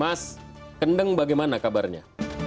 mas kendeng bagaimana kabarnya